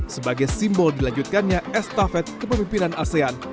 sebagai simbol dilanjutkannya estafet kepemimpinan asean